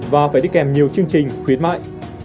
và phải đi kèm nhiều chương trình khuyến mại